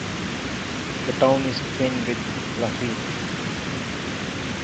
The town is twinned with Plaffeien.